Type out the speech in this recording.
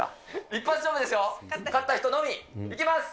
一発勝負ですよ、勝った人のみ。いきます。